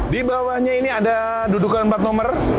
di bawahnya ini ada dudukan empat nomor